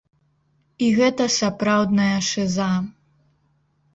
І гэта сапраўдная шыза.